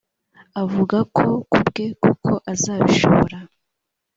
avuga ko ku bwe koko azabishobora